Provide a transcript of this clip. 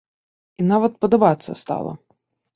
І нават падабацца стала.